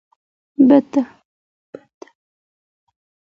بط 🦆